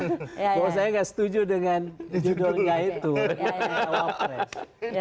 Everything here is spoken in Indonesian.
kalau saya gak setuju dengan judulnya itu cawapres